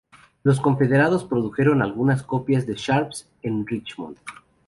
Los confederados produjeron algunas copias del Sharps en Richmond.